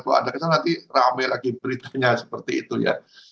kalau ada kesan nanti rame lagi beritanya seperti itu ya